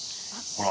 ほら。